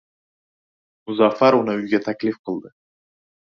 Muzaffar uni uyga taklif qildi.